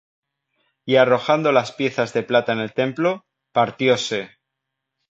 Y arrojando las piezas de plata en el templo, partióse;